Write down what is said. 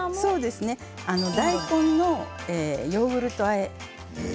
大根のヨーグルトあえです。